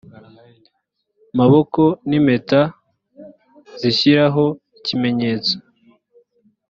maboko n impeta zishyiraho ikimenyetso